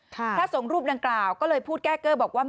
พระสงฆ์รูปดังกล่าวก็เลยพูดแก้เกอร์บอกว่า